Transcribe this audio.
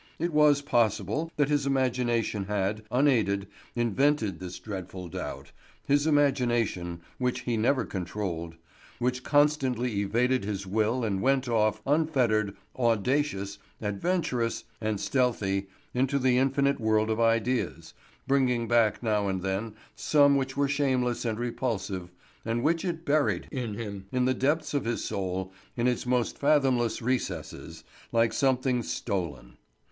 It was possible that his imagination had, unaided, invented this dreadful doubt—his imagination, which he never controlled, which constantly evaded his will and went off, unfettered, audacious, adventurous, and stealthy, into the infinite world of ideas, bringing back now and then some which were shameless and repulsive, and which it buried in him, in the depths of his soul, in its most fathomless recesses, like something stolen.